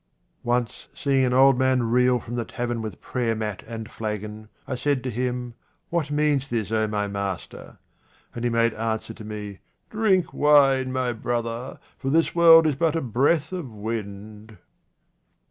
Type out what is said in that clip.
Once, seeing an old man reel from the tavern with prayer mat and flagon, I said to him, " What means this, O my master ?" and he made answer to me, " Drink wine, my brother, for this world is but a breath of wind."